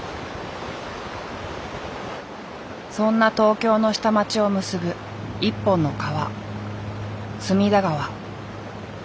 そんな東京の下町を結ぶ一本の川